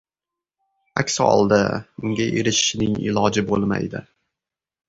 Aks holda unga erishishning iloji bo‘lmaydi.